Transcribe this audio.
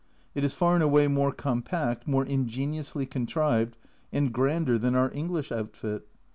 It is far and away more compact, more ingeniously contrived, and grander than our English outfit.